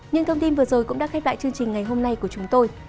những thông tin vừa rồi cũng đã khép lại chương trình ngày hôm nay của chúng tôi